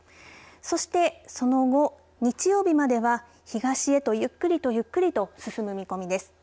そして、その後日曜日までは東へとゆっくりとゆっくりと進む見込みです。